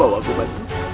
bawa aku balik